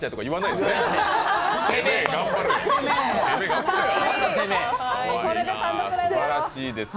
すばらしいですよ。